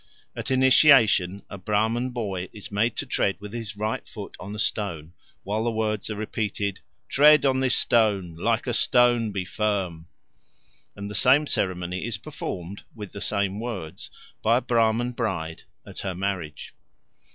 At initiation a Brahman boy is made to tread with his right foot on a stone, while the words are repeated, "Tread on this stone; like a stone be firm"; and the same ceremony is performed, with the same words, by a Brahman bride at her marriage.